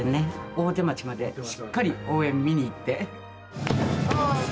大手町までしっかり応援見に行って。